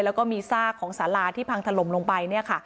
แล้วก็มีซากของสาราที่พังถล่มลงไปเนี่ยค่ะ